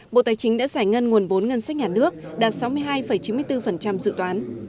bộ tài chính đã giải ngân nguồn vốn ngân sách nhà nước đạt sáu mươi hai chín mươi bốn dự toán